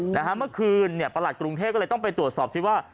เมื่อคืนเนี่ยประหลัดกรุงเทพก็เลยต้องไปตรวจสอบซิว่า